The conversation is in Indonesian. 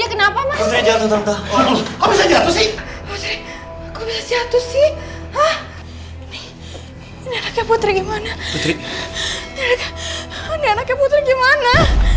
ini anaknya putri gimana